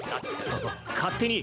勝手に。